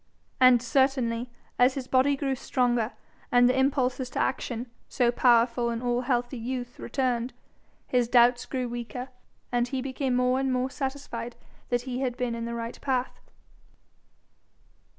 And certainly, as his body grew stronger, and the impulses to action, so powerful in all healthy youth, returned, his doubts grew weaker, and he became more and more satisfied that he had been in the right path.